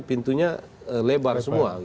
pintunya lebar semua